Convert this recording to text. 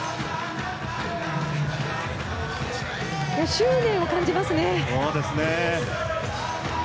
執念を感じますね。